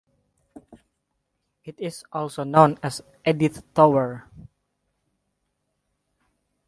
It is also known as Edith tower.